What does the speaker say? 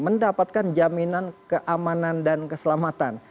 mendapatkan jaminan keamanan dan keselamatan